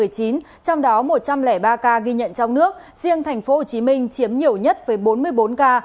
trong đó một trăm linh ba ca ghi nhận trong nước riêng thành phố hồ chí minh chiếm nhiều nhất với bốn mươi bốn ca